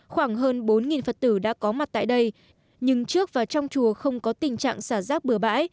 khoảng hơn bốn phật tử đã có mặt tại đây nhưng trước và trong chùa không có tình trạng xả rác bừa bãi